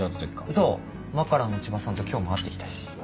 そうマッカランの千葉さんと今日も会って来たし。